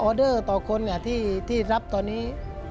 เดอร์ต่อคนที่รับตอนนี้